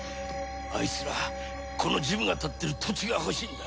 あいつらこのジムが立ってる土地が欲しいんだ。